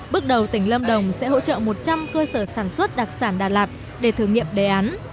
bước đầu tỉnh lâm đồng sẽ hỗ trợ một trăm linh cơ sở sản xuất đặc sản đà lạt để thử nghiệm đề án